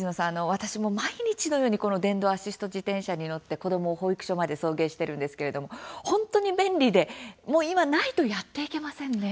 私も毎日のようにこの電動アシスト自転車に乗って子供を保育所まで送迎してるんですけれども本当に便利でもう今ないとやっていけませんね。